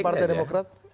dengan partai demokrat